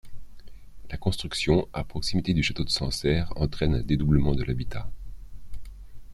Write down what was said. La construction, à proximité, du château de Sancerre, entraîne un dédoublement de l'habitat.